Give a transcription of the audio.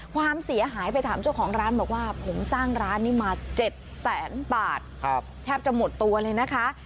ความเสียหายไปถามเจ้าของร้านบอกว่าผมสร้างร้านนี้มา๗แสนบาทแทบจะหมดตัวเลยนะคะ